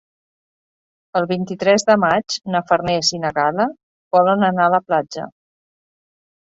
El vint-i-tres de maig na Farners i na Gal·la volen anar a la platja.